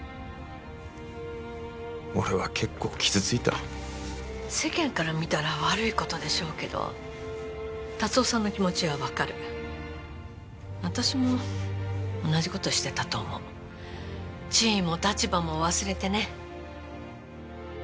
俺は結構傷ついた世間から見たら悪いことでしょうけど達雄さんの気持ちは分かる私も同じことしてたと思う地位も立場も忘れてね